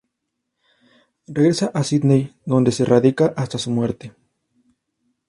Regresa a Sídney, donde se radica hasta su muerte.